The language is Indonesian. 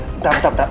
bentar bentar bentar